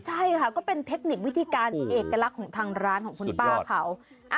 ใช่ค่ะก็เป็นเทคนิควิธีการเอกลักษณ์ของทางร้านของคุณป้าเขา